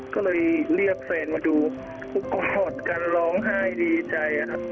ก็เลยเรียกแฟนมาดูก็กอดกันร้องไห้ดีใจครับ